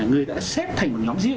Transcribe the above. người đã xếp thành một nhóm riêng